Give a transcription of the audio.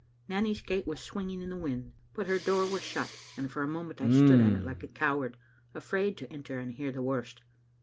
Nanny's gate was swinging in the wind, but her door was shut, and for a moment I stood at it like a coward, afraid to enter and hear the worst.